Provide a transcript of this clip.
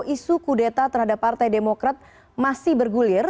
isu kudeta terhadap partai demokrat masih bergulir